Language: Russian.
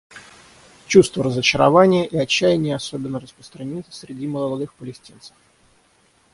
Чувства разочарования и отчаяния особенно распространены среди молодых палестинцев.